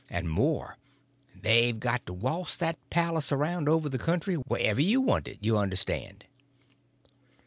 And more: they've got to waltz that palace around over the country wherever you want it, you understand."